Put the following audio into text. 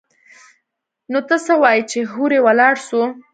نو ته څه وايي چې هورې ولاړ سو؟